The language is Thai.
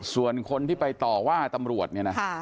ส่วนคนที่ไปต่อว่าตำรวจเนี่ยนะ